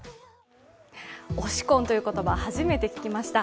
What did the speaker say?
推し婚という言葉初めて聞きました。